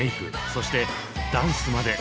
そしてダンスまで。